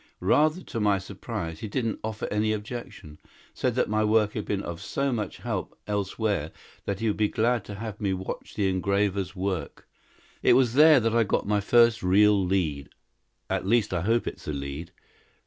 Rather to my surprise, he didn't offer any objection. Said that my work had been of so much help elsewhere that he would be glad to have me watch the engravers' work. "It was there that I got my first real lead at least I hope it's a lead.